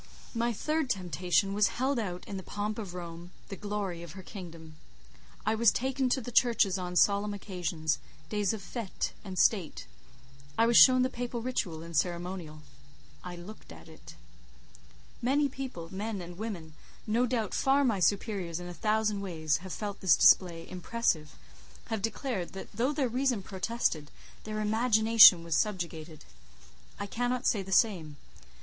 My third temptation was held out in the pomp of Rome—the glory of her kingdom. I was taken to the churches on solemn occasions—days of fête and state; I was shown the Papal ritual and ceremonial. I looked at it. Many people—men and women—no doubt far my superiors in a thousand ways, have felt this display impressive, have declared that though their Reason protested, their Imagination was subjugated. I cannot say the same.